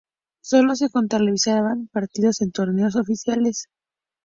Solo se contabilizan partidos en torneos oficiales.